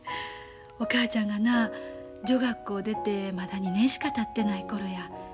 お母ちゃんがな女学校出てまだ２年しかたってない頃や。